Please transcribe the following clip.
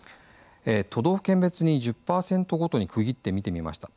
都道府県別に１０％ごとに区切って見てみました。